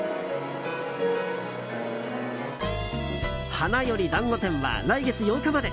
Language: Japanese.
「花より男子展」は来月８日まで。